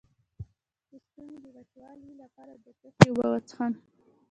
د ستوني د وچوالي لپاره د څه شي اوبه وڅښم؟